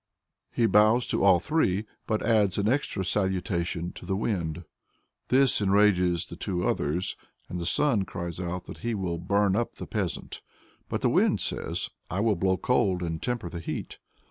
He bows to all three, but adds an extra salutation to the Wind. This enrages the two others, and the Sun cries out that he will burn up the peasant. But the Wind says, "I will blow cold, and temper the heat."